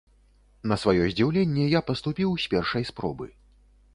На сваё здзіўленне, я паступіў з першай спробы.